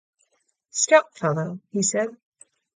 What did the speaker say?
"Stout fellow," he said.